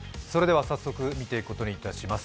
早速見ていくことにします。